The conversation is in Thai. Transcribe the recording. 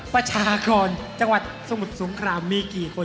ประชาครจังหวัดสมุทรสงครามมีกี่คน